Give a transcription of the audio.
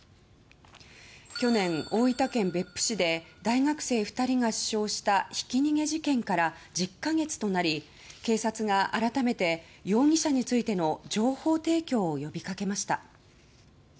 去年、大分県別府市で大学生２人が死傷したひき逃げ事件から１０か月となり警察が改めて容疑者についての情報提供を呼びかけました。